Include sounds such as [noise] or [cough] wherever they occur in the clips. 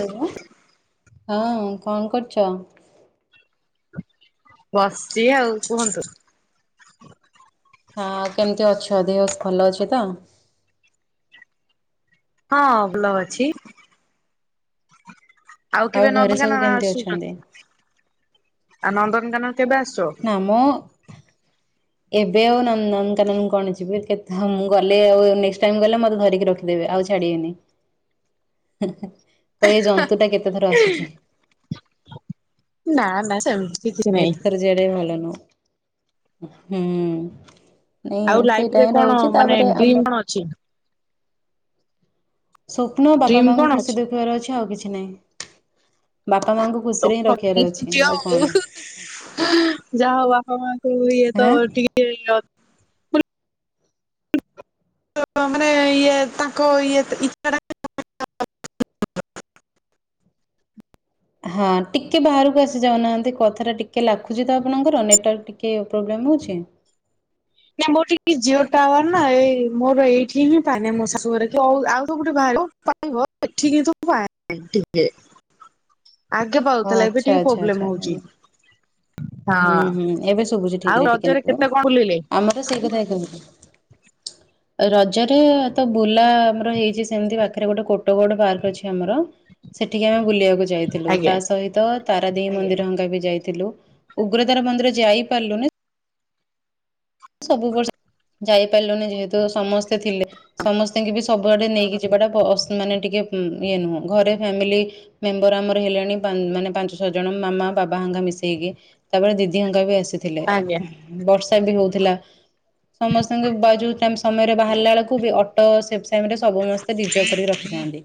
Hello. ହଁ କଣ କରୁଚ? ବସିଚି ଆଉ କୁହନ୍ତୁ। ହଁ କେମିତି ଅଛ ଦେହ ଭଲ ଅଛି ତ? ହଁ ବ୍ଲ ଅଛି। ଆଉ କେବେ ଘରେ ସବୁ ନନ୍ଦନକାନନ କେମିତି ଅଛନ୍ତି? ଆସୁଚନ୍ତି? ଆଉ ନନ୍ଦନକାନନ କେବେ ଆସୁଚ? ମୁଁ ଏବେ ଆଉ ନନକାନନ କଣ ଯିବି। କେତ୍ ହଁ ମୁଁ ଗଲେ ଆଉ ନେକ୍ସଟ୍ ଟାଇମ୍ ଗଲେ ମତେ ଧରିକି ରଖି ଦେବେ ଆଉ ଛାଡିବେନି ହୁଁ ହୁଁ କହିବେ ଜନ୍ତୁଟା କେତେ ଥର ଆସୁଚି। ନା ନା ସେମ ଏତେ ଥର ଯିବାଟା ବି ଭଲ ନୁହଁ ହୁଁ। ନାଇଁ ଆଉ ଲାଇଫ ସେଇଟା ରେ ହିଁ କଣ ରହୁଚି ମାନେ ତାପରେ ଡ୍ରିମ୍ ଆମର କଣ ଅଛି। ସ୍ୱପ୍ନ ବାପା ଡ୍ରିମ୍ ମାଙ୍କୁ କଣ ଖୁସି ଅଛି? ଦେଖିବାର ଅଛି ଆଉ କିଛି ନାହିଁ। ବାପା ମାଙ୍କୁ [unintelligible] ଯାହା ହଉ ବାପା ମା ଙ୍କ ଇଏ ତ ଆଁ ଟିକେ [unintelligible] [unintelligible] ମାନେ ଇଏ ତାଙ୍କ ଇଏ ଇଚ୍ଛାଟା। ହଁ ଟିକେ ବାହାରୁକୁ ଆସି ଯାଉନାହାନ୍ତି କଥା ଟା ଟିକେ ଲାଖୁଚି ତ ଆପଣଙ୍କର ନେଟୱାର୍କ ଟି କେ ପ୍ରୋବ୍ଲେମ୍ ହଉଛି। ନା ମୋର ଟିକେ ଜିଓ ଟାୱାର ନା ଏଇ ମୋର ଏଇଠି ହିଁ ପାଏନା ମୋ ଶାଶୁ ଘରେ କି ଅଉ ଆଉ ସବୁଠି ବାହାରେ। ପାଇବ ଏଠି କିନ୍ତୁ ପାଏନା ଟିକେ। ଆଗେ ଓ ପାଉଥୁଲା ଏବେ ଆଚ୍ଛା ଟିକେ ଆଚ୍ଛା ଆଚ୍ଛା ପ୍ରୋବ୍ଲେମ ହଉଚି। ହୁଁ ହୁଁ ଏବେ ହଁ ଆଉ ରଜରେ କେତେ କଣ ବୁଲିଲେ? ତ ସେଇ କଥା କହୁଚି। ରଜରେ ତ ବୁଲା ଆମର ହେଇଚି ସେମିତି ପାଖରେ ଗୋଟେ କୋଟ ଗୋଡ ପାର୍କ ଅଛି ଆମର। ସେଠିକି ଆମେ ବୁଲିବାକୁ ଯାଇଥିଲୁ ତା ଆଜ୍ଞା ସହିତ ତାରାଦେଇ ମନ୍ଦିରଙ୍କା ବି ଯାଇଥିଲୁ। ଉଗ୍ରତାର ମନ୍ଦିର ଯାଇ ପାରିଲୁନି। ସବୁ ବର୍ଷ ଯାଇପାରିଲୁନି ଯେହେତୁ ସମସ୍ତେ ଥିଲେ ସମସ୍ତେଙ୍କି ବି ସବୁଆଡ଼େ ନେଇକି ଯିବାଟା ବ ଅସ୍ ମାନେ ଟିକେ ଇଏ ନୁହେଁ ଘରେ ଫ୍ୟାମିଲି ମେମ୍ବର ଆମର ହେଲେଣି ପାନ୍ ମାନେ ପାଞ୍ଚ, ଛଅ ଜଣ ମାମା ବାବା ହଙ୍ଗା ମିଶେଇକି। ତାପରେ ଦିଦି ଅଙ୍କା ବି ଆସିଥିଲେ ଆଜ୍ଞା ବର୍ଷା ବି ହଉ ଥିଲା ସମସ୍ତଙ୍କ ସମୟରେ ବାହାରିଲା ବେଳକୁ ବି ଅଟୋ ଟାଇମରେ ସବୁ ସମସ୍ତେ ରିଜର୍ଭ କରିକି ରଖିଥାନ୍ତି।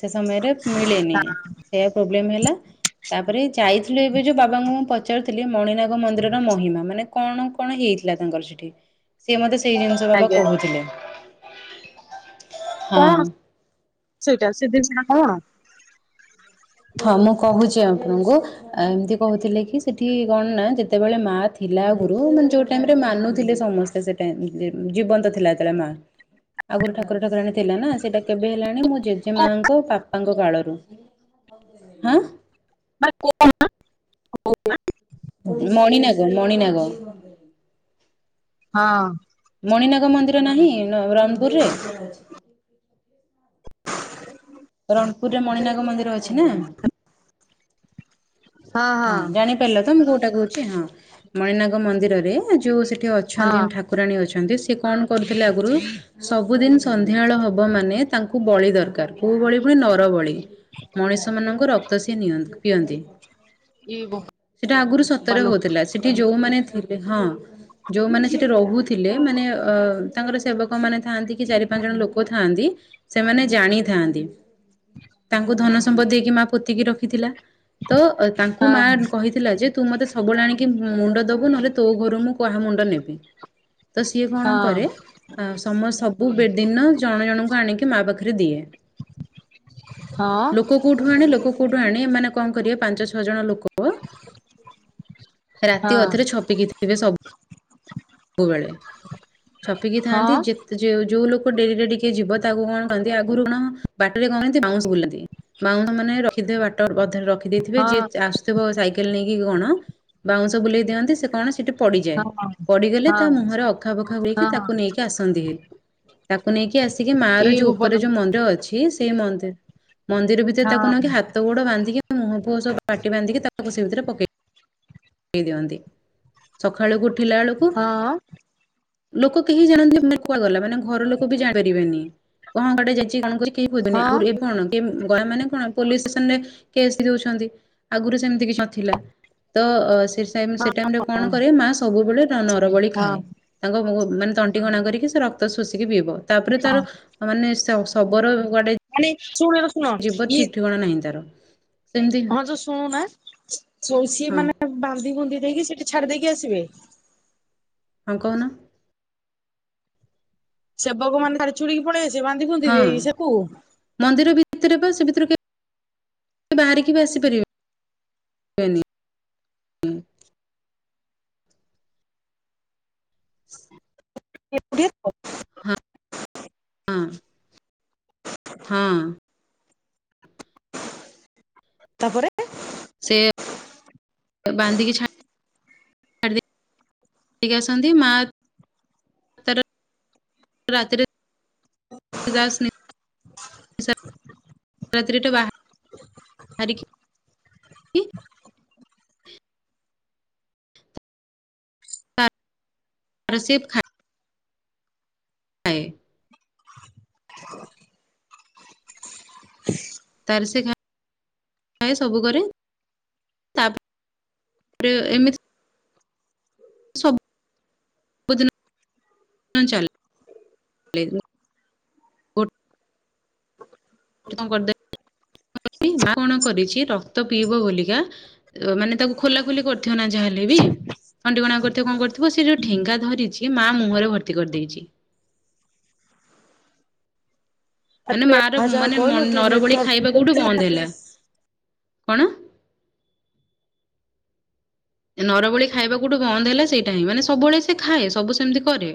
ସେ ସମୟରେ ମିଳେନି ସେୟା ପ୍ରୋବ୍ଲେମ ହେଲା। ତାପରେ ଯାଇଥିଲୁ ଏବେ ଯଉଁ ବାବାଙ୍କୁ ମୁଁ ପଚାରୁଥିଲି ମଣିନାଗ ମନ୍ଦିରର ମହିମା ମାନେ କଣ? କଣ ହେଇଥିଲା ତାଙ୍କର ସେଠି ସିଏ ମତେ ସେଇ ଜିନିଷ ବାବା ଆଜ୍ଞା କହୁଥିଲେ। ହଁ। କଣ ସେଟା ସେ ଦିନିଶଟା କଣ? ହଁ ମୁଁ କହୁଛି ଆପଣଙ୍କୁ। ଆ ଏମିତି କହୁଥିଲେ କି ସେଠି କଣ ନା ଯେତେବେଳେ ମା ଥିଲା ଆଗୁରୁ ମାନେ ଯୋଉ ଟାଇମ ରେ ମାନୁଥିଲେ ସମସ୍ତେ। ସେ ଜୀବନ୍ତ ଥିଲା ଯେତେବେଳେ ମା ଆଗରୁ ଠାକୁର ଠାକୁର ଆଣ ଥିଲା ନା ସେଟା କେବେ ହେଲାଣି ମୁଁ ଜେଜେ ହଁ ମାଙ୍କ ବାପାଙ୍କ କାଳରୁଁ ମ କ ହଉ ମଣିନାଗ ମଣିନାଗ ହଁ ମଣିନାଗ ମନ୍ଦିର ନାହିଁ ରଣପୁରରେ ରଣପୁରରେ ମଣିନାଗ ମନ୍ଦିର ଅଛି ନା ହଁ ଜାଣିପାରିଲ ତ ମୁଁ କୋଉଟା କହୁଛି ହଁ ମଣିନାଗ ମନ୍ଦିରରେ ଯୋଉ ସେଠି ଅଛନ୍ତି ହଁ ଠାକୁ କୁକୁରାଣୀ ଅଛନ୍ତି ସେ କଣ କରୁଥିଲେ ଆଗରୁ ସବୁଦିନ ସନ୍ଧ୍ୟାବେଳ ହବ ମାନେ ତାଙ୍କୁ ବଳି ଦରକାର କୋଉ ବଳି ପୁଣି ନର ବଳି ମଣିଷ ମାନଙ୍କ ରକ୍ତ ସେ ନିଅନ୍ତି ପିଅନ୍ତି ଇ ସେଟା ଆଗରୁ ସତରେ ବୋପାଲୋ ହଉଥିଲା ସେଠି ଯୋଉମାନେ ଥିଲେ ହଁ ଯୋଉମାନେ ସେଠି ରହୁଥିଲେ ମାନେ ଅ ତାଙ୍କର ସେବକ ମାନେ ଥାଆନ୍ତି କି ଚାରି ପାଞ୍ଚ ଜଣ ଲୋକ ଥାଆନ୍ତି। ସେମାନେ ଜାଣିଥାନ୍ତି ତାଙ୍କୁ ଧନ ସମ୍ପଦ ଦେଇକି ମା ପୋତିକି ରଖିଥିଲା ତ ତାଙ୍କୁ ହଁ ମା କହିଥିଲା ଯେ ତୁ ମତେ ସବୁବେଳେ ଆଣିକି ମୁଣ୍ଡ ଦବୁ ନହେଲେ ତୋ ଘରୁ ମୁଁ କହା ମୁଣ୍ଡ ନେବି ତ ସିଏ କଣ ହଁ କରେ ସମ ସବୁ ବେ ଦିନ ଜଣ ଜଣଙ୍କୁ ଆଣିକି ମା ପାଖରେ ଦିଏ ହଁ ଲୋକ କୋଉଠୁ ଆଣେ ଲୋକ କୋଉଠୁ ଆଣେ ଏମାନେ କଣ କରିବେ ପାଞ୍ଚ ଛଅ ଜଣ ଲୋକ ରାତି ଅଧରେ ଛପିକି ଥିବେ ସବୁ ହ ସବୁବେଳେ ଛପିକି ଥାନ୍ତି ଯେ ଯଉ ଯୋଉ ଲୋକ ଡେରିରେ ଟିକେ ଯିବ ତାକୁ କଣ କହନ୍ତି ଆଗରୁ କଣ ବାଟରେ କଣନ୍ତି ବାଉଁଶ ବୁଲନ୍ତି ବାଉଁଶ ମାନେ ରଖିଦି ବାଟ ବଧରେ ରଖି ସେଠ ଦେଇଥିବେ ହଁ ଯିଏ ଆସୁଥିବ ସାଇକେଲ ନେଇକି କଣ ବାଉଁଶ ବୁଲେଇ ଦିଅନ୍ତି ସେ କଣ ସେଠି ପଡିଯାଏ ହଁ ପଡ଼ିଗଲେ ତା ହଁ ମୁହଁରେ ଅଖା ବଖା ଗୁଳକି ହଁ ତାକୁ ନେଇକି ଆସନ୍ତି ହେ ତାକୁ ନେଇକି ଆସିକି ମା ଇ ର ଯୋଉ ଉପର ବୋପାଲୋ ଯୋଉ ମନ୍ଦିର ଅଛି ସେଇ ମନ୍ଦିର ମନ୍ଦିର ହଁ ଭିତରେ ତାକୁ ନ କି ହାତ ତ ଗୋଡ ବାନ୍ଧିକି ମୁହଁୁହ ସବ ପାଟି ବାନ୍ଧିକି ତାକୁ ସେ ଭିତରେ ପକେଇ ସୁ ଉଠିଲା ବ ହଁ ଲୋକ କେହି ଜାଣନ୍ତି ମାନେ କୁହାଗଲା ମାନେ ଘର ଲୋକ ବି ଜାଣିପାରିବେନି କଣ କଡେ ଯାଇଛି କଣ କର କେହିୁନି ହଁ ଆଗରୁ ଏବେଣ ଗ ମାନେ କଣ ପୋଲିସ ଷ୍ଟେସନରେ କେସ୍ ଦଉଛନ୍ତି ଆଗରୁ ସେମିତି କିଛି ନଥିଲା ତ ସେ ସେ ଟାଇମ ରେ କଣ କରେ ମା ସବୁବେଳେ ନରବଳି ହଁ ଖାଏ ତାଙ୍କ ମାନେ ତଣ୍ଟିିକଣା କରିକି ସେ ରକ୍ତ ଶୋଷିକି ପିଇବ ତାପରେ ହଁ ତାର ମାନେ ଶବର ଗୁଆଡେ ଆ ଚୁଳି ର ଜୀବତ ଠିକ୍ ଠିକଣା ନାହିଁ ତାର ସେମିତି ତୁ ଶୁଣୁନା ଯୋ ସିଏ ହଁ ମାନେ ବାନ୍ଧି ବୁନ୍ଧି ଦେଇକି ସେଠି ଛାଡି ଦେଇକି ଆସିବେ। ହଁ କହୁନା? ସେବକ ମାନେ ଛାଡି ଛୁଡିକି ପଳେଇ ଆସେ ବାନ୍ଧି ବୁନ୍ଧୀ ହଁ ଦେଇକି ସେକୁ। ମନ୍ଦିର ଭିତରେ ବା ସେ ଭିତରେ କେ ବାହାରିକି ବି ଆସିପାରିବେନି। [inaudible] [unintelligible] ହଁ। ହଁ। ତାପରେ ସେ ବାନ୍ଧିକି ଛା ଛଡି ଦେଇକି ଆସନ୍ତି ମା ତାର ରାତିରେ [unintelligible] ବାହାରିକି ରସିଫ ଖାଇ ଆଏ। ତାରସେ ଖାଇ ଥାଏ ସବୁ କରେ ତାପରେ ଏମିତି ସବୁ ସବୁଦିନ ପାଇଁ ଚାଲେ ଲେ। କରିଦ ମା କଣ କରିଛି ରକ୍ତ ପିଇବ ବୋଲିକା ମାନେ ତାକୁ ଖୋଲା ଖୋଲି କରିଥିବ ନା ଯାହା ହେଲେ ବି। ତଣ୍ଟିକଣା କରିଥିବ କଣ କରିଥିବ ସେ ଯୋଉ ଠେଙ୍ଗା ଧରିଛି ମା ମୁହଁରେ ଭର୍ତ୍ତି କରିଦେଇଛି। ମାନେ ମା ର ଯାହା ଯାହା ମାନେ କହିଲୁ ଟିକେ ନର ଭଳି ନେଟୱାର୍କ ଖାଇବା ପ୍ରୋବ୍ଲେମ କୋଉଠୁ ଥିଲା ବନ୍ଦ ହେଲା, କଣ? ନରବଳି ଖାଇବା କୋଠୁ ବନ୍ଦ ହେଲା ସେଇଟା ହିଁ ମାନେ ସବୁବେଳେ ସେ ଖାଏ, ସବୁ ସେମିତି କରେ।